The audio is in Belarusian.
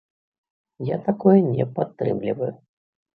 Я такое не падтрымліваю.